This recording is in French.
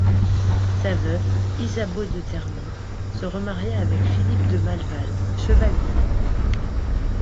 Sa veuve, Isabeau de Ternant, se remaria avec Philippe de Malleval, chevalier.